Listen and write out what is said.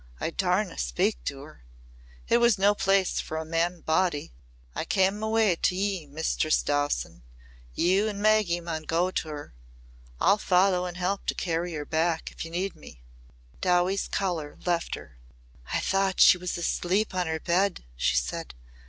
I daurna speak to her. It was no place for a man body. I cam' awa' to ye, Mistress Dowson. You an' Maggy maun go to her. I'll follow an' help to carry her back, if ye need me." Dowie's colour left her. "I thought she was asleep on her bed," she said.